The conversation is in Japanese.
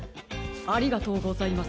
ありがとうございます。